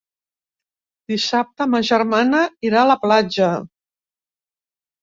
Dissabte ma germana irà a la platja.